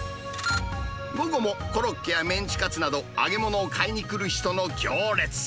午後もコロッケやメンチカツなど、揚げ物を買いに来る人の行列。